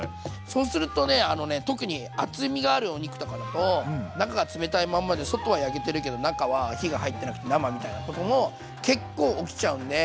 そうするとねあのね特に厚みがあるお肉とかだと中が冷たいまんまで外は焼けてるけど中は火が入ってなくて生みたいなことも結構起きちゃうんで。